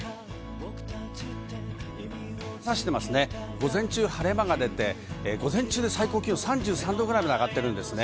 午前中、晴れ間が出て、午前中で最高気温３３度ぐらいまで上がってるんですね。